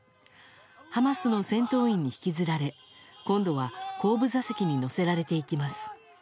ハマスの戦闘員に引きずられ今度は後部座席に乗せられていきます。